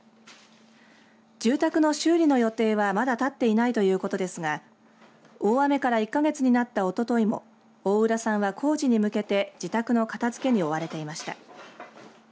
住宅の修理の予定はまだ立っていないということですが大雨から１か月になったおとといも大浦さんは工事に向けて自宅の片づけに追われていました。